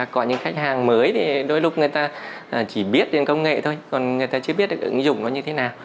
có những khách hàng mới thì đôi lúc người ta chỉ biết đến công nghệ thôi còn người ta chưa biết được ứng dụng nó như thế nào